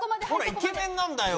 ほらイケメンなんだよ。